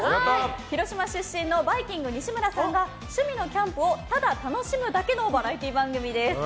広島出身のバイきんぐ西村さんが趣味のキャンプをただ楽しむだけのバラエティー番組です。